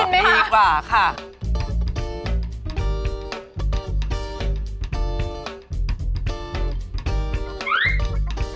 ไม่ได้อร่อยหรอกหยุดกินเลย